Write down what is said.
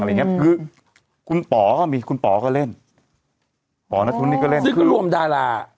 อย่างเงี้ยคือคุณป๋อก็มีคุณป๋อก็เล่นป๋อนัทธวุนี่ก็เล่นซึ่งก็รวมดารา